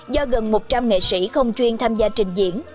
do gần một trăm linh nghệ sĩ không chuyên tham gia trình diễn